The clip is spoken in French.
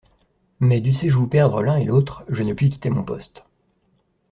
Mais dussé-je vous perdre l'un et l'autre, je ne puis quitter mon poste.